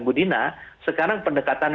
ibu dina sekarang pendekatan